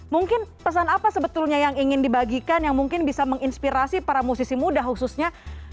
mungkin pesan apa sebetulnya yang ingin dibagikan yang mungkin bisa menginspirasi para musisi muda khususnya